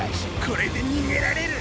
これでにげられる！